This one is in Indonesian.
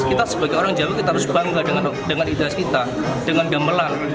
kita sebagai orang jawa kita harus bangga dengan identitas kita dengan gamelan